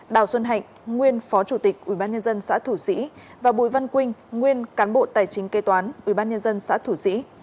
đào xuân hạnh nguyên phó chủ tịch ubnd xã thủ sĩ và bùi văn quynh nguyên cán bộ tài chính kê toán ubnd xã thủ sĩ